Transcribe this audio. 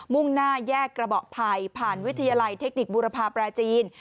่งหน้าแยกกระบอกภัยผ่านวิทยาลัยเทคนิคบุรพาปราจีน